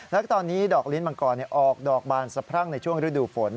แล้วก็ตอนนี้ดอกลิ้นมังกรออกดอกบานสะพรั่งในช่วงฤดูฝน